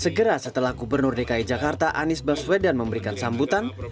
segera setelah gubernur dki jakarta anies baswedan memberikan sambutan